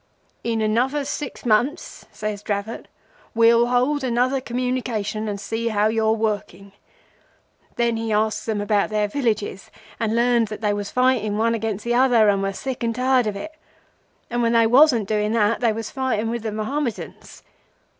"'In another six months,' says Dravot, 'we'll hold another Communication and see how you are working.' Then he asks them about their villages, and learns that they was fighting one against the other and were fair sick and tired of it. And when they wasn't doing that they was fighting with the Mohammedans.